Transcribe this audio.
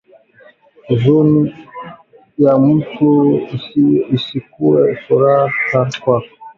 Uzuni ya mutu isikuwe furaha kwako